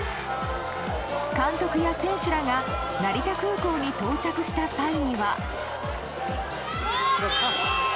監督や選手らが成田空港に到着した際には。